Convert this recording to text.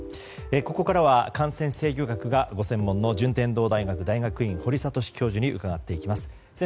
ここからは感染制御学がご専門の順天堂大学大学院堀賢教授に伺っていきます。